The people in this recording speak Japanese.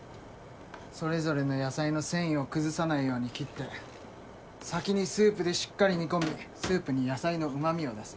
それぞれの野菜の繊維を崩さないように切って先にスープでしっかり煮込みスープに野菜のうまみを出す。